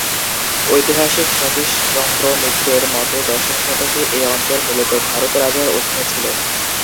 ঐতিহাসিক সতীশ চন্দ্র মিত্রের মতে দশম শতকে এ অঞ্চল মূলত ভারত রাজার অধীনে ছিল।